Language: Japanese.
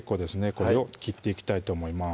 これを切っていきたいと思います